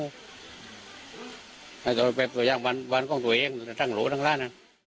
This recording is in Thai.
ให้ตัวย่างแบบบานกล้องตัวเองทั้งหลูทั้งร่านนะ